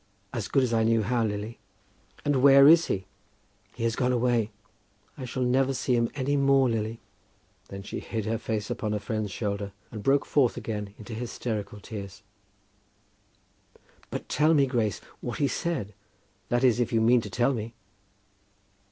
"As good as I knew how, Lily." "And where is he?" "He has gone away. I shall never see him any more, Lily." Then she hid her face upon her friend's shoulder and broke forth again into hysterical tears. "But tell me, Grace, what he said; that is, if you mean to tell me!"